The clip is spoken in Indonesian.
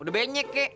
udah benyek kek